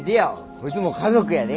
こいつも家族やで。